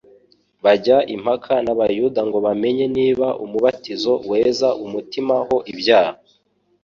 Bajya impaka n'Abayuda ngo bamenye niba umubatizo weza umutima ho ibyaha;